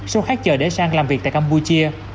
số khác chờ để sang làm việc tại campuchia